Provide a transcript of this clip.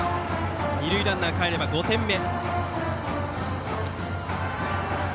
二塁ランナーがかえれば５点目。